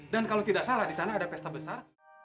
dan kalau tidak salah di sana ada pesta besar